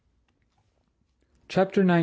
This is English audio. CHAPTER XIX.